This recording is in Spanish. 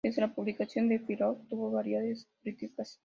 Desde la publicación de Firefox, tuvo variadas críticas.